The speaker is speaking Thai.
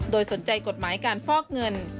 โดยสนใจกฎหมายการฟอกเงิน